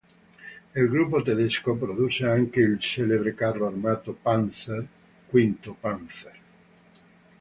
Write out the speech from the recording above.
Il gruppo tedesco produsse anche il celebre carro armato Panzer V Panther.